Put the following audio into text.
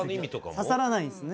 刺さらないんですね。